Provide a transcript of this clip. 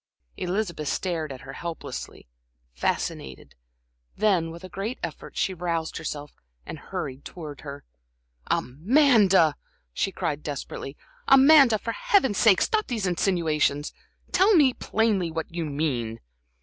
Elizabeth stared at her helplessly, fascinated; then, with a great effort, she roused herself and hurried towards her. "Amanda!" she cried, desperately. "Amanda, for Heaven's sake, stop these insinuations! Tell me plainly what you mean?"